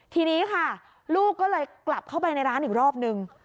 ทีนี้ค่ะลูกก็เลยกลับเข้าไปในร้านอีกรอบนึง